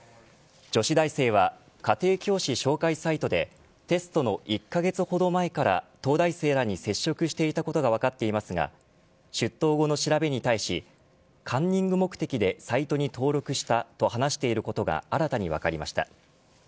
女子大生は家庭教師紹介サイトでテストの１カ月ほど前から東大生らに接触していたことが分かっていますが出頭後の調べに対しカンニング目的でサイトに登録したと話していることが新たに分かりました。